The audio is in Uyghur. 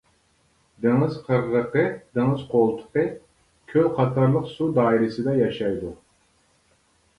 دېڭىز قىرغىقى دېڭىز قولتۇقى، كۆل قاتارلىق سۇ دائىرىسىدە ياشايدۇ.